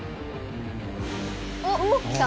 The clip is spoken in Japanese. ・おっきた。